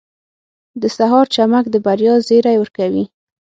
• د سهار چمک د بریا زیری ورکوي.